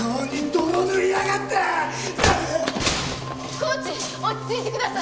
コーチ落ち着いてください！